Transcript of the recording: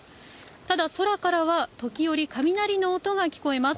ただ、空からは時折、雷の音が聞こえます。